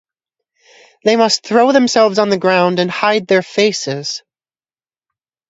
They must throw themselves on the ground and hide their faces.